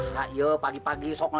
gua kita dipervampingi